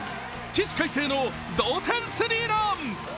起死回生の同点スリーラン。